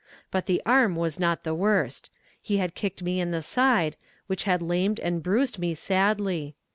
But the arm was not the worst; he had kicked me in the side, which had lamed and bruised me sadly.